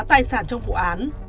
tài sản trong vụ án